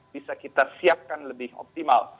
bisa kita siapkan lebih optimal